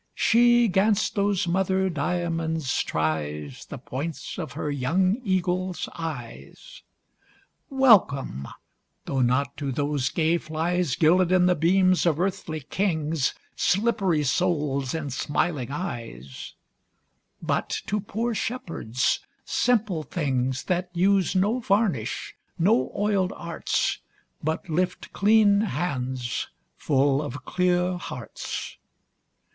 She 'gainst those mother diamonds tries The points of her young eagle's eyes. Welcome, (though not to those gay flies Guilded i'th' beams of earthly kings Slippery souls in smiling eyes) But to poor Shepherds, simple things, That use no varnish, no oil'd arts, But lift clean hands full of clear hearts.